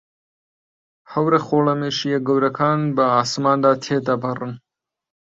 هەورە خۆڵەمێشییە گەورەکان بە ئاسماندا تێدەپەڕن.